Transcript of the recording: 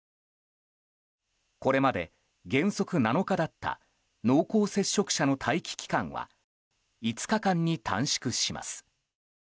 これまで原則７日だった濃厚接触者の待機期間は５日間に短縮します。